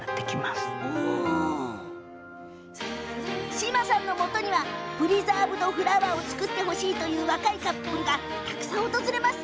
嶋さんのもとにはプリザーブドフラワーを作ってほしいという若いカップルがたくさん訪れます。